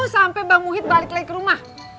sampai bang muhid balik lagi ke rumah